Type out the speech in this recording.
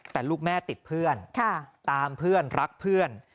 แต่ลูกแม่ติดเพื่อนตามเพื่อนรักเพื่อน